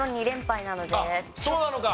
あっそうなのか。